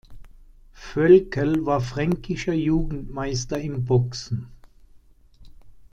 Völkel war fränkischer Jugendmeister im Boxen.